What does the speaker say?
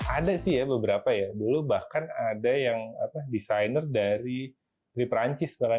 ada beberapa dulu bahkan ada yang desainer dari perancis